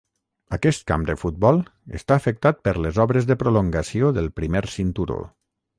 Aquest camp de futbol està afectat per les obres de prolongació del Primer Cinturó.